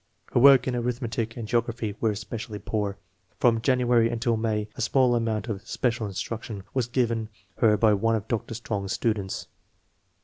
Her work in arithmetic and geography was especially poor. Prom January until May a small amount of special instruction was given her by one of Dr. Strong's stu dents.